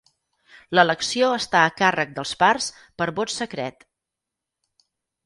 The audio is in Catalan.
L'elecció està a càrrec dels pars per vot secret.